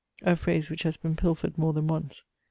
a phrase which has been pilfered more than once.